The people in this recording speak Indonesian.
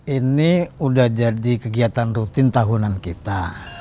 ini udah jadi kegiatan rutin tahunan kita